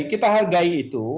kita hargai itu